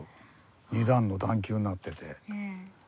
２段の段丘になってて。